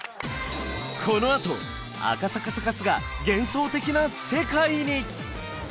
このあと赤坂サカスが幻想的な世界に！